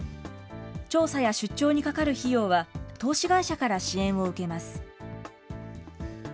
調査や出張にかかる費用は、投資会社から支援を受けます。